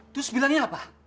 terus bilangnya apa